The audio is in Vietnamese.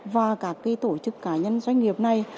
và các tổ chức cá nhân doanh nghiệp này